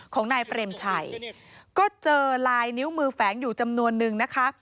ของนายเปรมชัยก็เจอลายนิ้วมือแฝงอยู่จำนวนนึงนะคะ